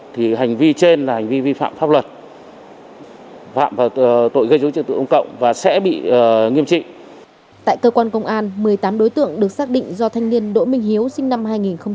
tại cơ quan công an một mươi tám đối tượng được xác định do thanh niên đỗ minh hiếu sinh năm hai nghìn một mươi